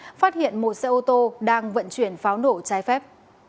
phát hiện một xe ô tô đang vận chuyển pháo nổ trái phép